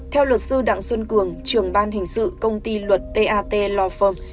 theo luật sư đặng xuân cường trường ban hình sự công ty luật tat law firm